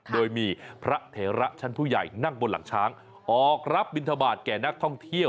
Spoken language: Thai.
โดยมีพระเถระชั้นผู้ใหญ่นั่งบนหลังช้างออกรับบินทบาทแก่นักท่องเที่ยว